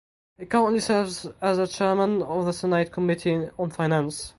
He currently serves as the Chairman of the Senate Committee on Finance.